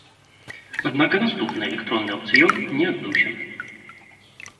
Аднак і наступны электронны аўкцыён не адбыўся.